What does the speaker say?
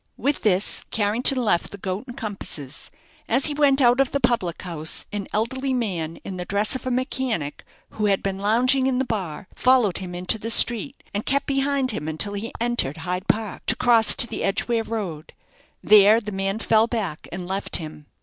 With this Carrington left the "Goat and Compasses." As he went out of the public house, an elderly man, in the dress of a mechanic, who had been lounging in the bar, followed him into the street, and kept behind him until he entered Hyde Park, to cross to the Edgware Road; there the man fell back and left him.